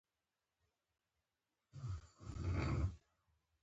باسواده نجونې د خیاطۍ په برخه کې مهارت لري.